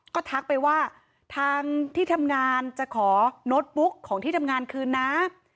ก็ทักไปว่าทางที่ทำงานจะขอโน้ตบุ๊กของที่ทำงานคืนนะ